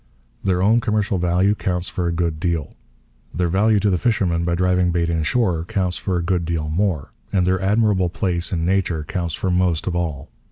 Their own commercial value counts for a good deal. Their value to the fisherman by driving bait inshore counts for a good deal more. And their admirable place in nature counts for most of all.